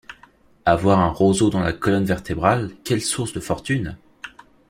Avoir un roseau dans la colonne vertébrale, quelle source de fortune!